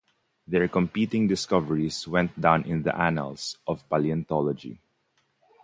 Their competing discoveries went down in the annals of paleontology.